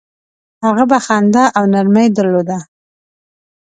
هغه به خندا او نرمي درلوده.